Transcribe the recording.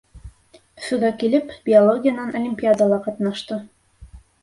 Өфөгә килеп биологиянан олимпиадала ҡатнашты.